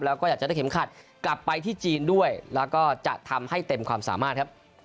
แล้วก็อยากจะได้เข็มขัดกลับไปที่จีนด้วยแล้วก็จะทำให้เต็มความสามารถครับ